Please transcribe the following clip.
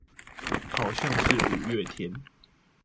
好像是五月天